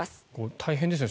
大変ですね。